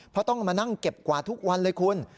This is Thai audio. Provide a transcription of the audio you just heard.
เพราะต้องมานั่งเก็บกวาดทุกวันเลยคุณ